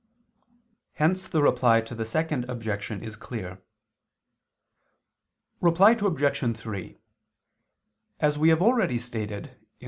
Hence the Reply to the Second Objection is clear. Reply Obj. 3: As we have already stated (Q.